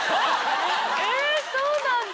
えそうなんだ。